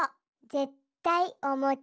ぜったいおもち。